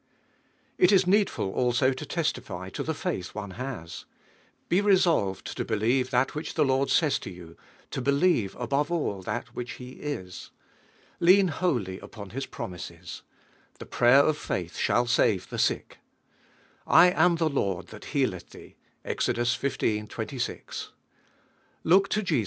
II is needful also to testify to lite faith dm' has. lie resolved (o believe that which i In Lord says to yon, to beiieve above all, that which He is. Lean wholly upon His promises. "The prayer of faiih shall save the sick," "1 am the Lord that healeth the body. Accept it, then, and give glory Co God.